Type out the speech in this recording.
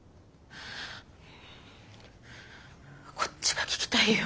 こっちが聞きたいよ。